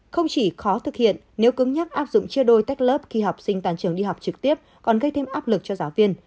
không chỉ khó thực hiện nếu cứng nhắc áp dụng chia đôi tách lớp khi học sinh tàn trường đi học trực tiếp còn gây thêm áp lực cho giáo viên